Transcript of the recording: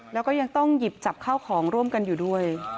แล้วก็ยังต้องหยิบจับข้าวของร่วมกันอยู่ด้วย